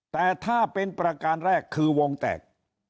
แต่ถ้าเป็นประการแรกคือวงแตก